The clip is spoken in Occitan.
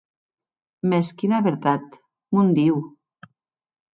Mès quina vertat, mon Diu!